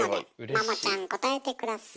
マモちゃん答えて下さい。